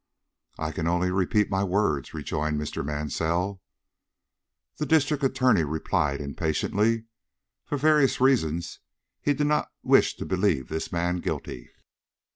"I can only repeat my words," rejoined Mr. Mansell. The District Attorney replied impatiently. For various reasons he did not wish to believe this man guilty.